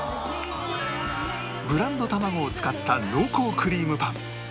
ブランド卵を使った濃厚クリームパン